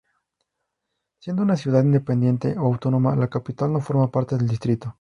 Siendo una ciudad independiente o autónoma la capital no forma parte del distrito.